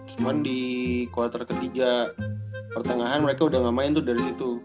cuman di kuartal ketiga pertengahan mereka udah gak main tuh dari situ